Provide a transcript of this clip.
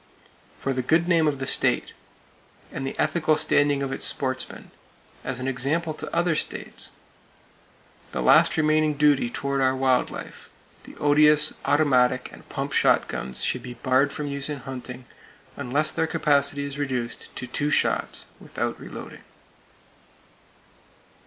For the good name of the state, and the ethical standing of its sportsmen, as an example to other states, and the last remaining duty toward our wild life, the odious automatic and pump shotguns should be barred from use in hunting, unless their capacity is reduced to two shots without reloading.